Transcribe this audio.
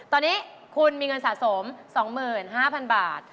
ตอนนี้คุณมีเงินสะสม๒๕๐๐๐บาท